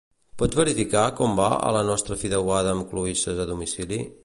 Pots verificar com va a la nostra fideuada amb cloïsses a domicili?